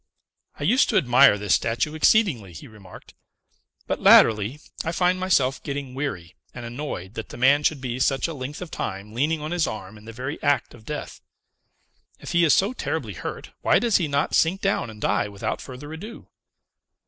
"I used to admire this statue exceedingly," he remarked, "but, latterly, I find myself getting weary and annoyed that the man should be such a length of time leaning on his arm in the very act of death. If he is so terribly hurt, why does he not sink down and die without further ado?